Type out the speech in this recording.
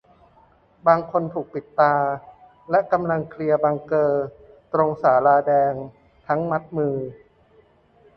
บางคนถูกปิดตา และกำลังเคลียร์บังเกอร์ตรงศาลาแดง ทั้งมัดมือ